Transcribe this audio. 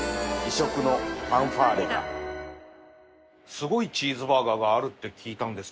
すごいチーズバーガーがあるって聞いたんですけど。